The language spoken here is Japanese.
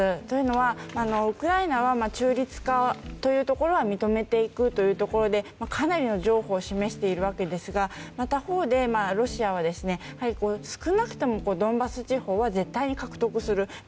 というのは、ウクライナは中立化というところは認めていくというところでかなりの譲歩を示しているわけですが他方でロシアは少なくともドンバス地方は絶対に獲得する。